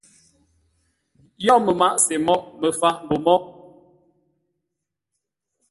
Yio məmaʼá-sê moghʼ, Məfaʼ mbô moghʼ.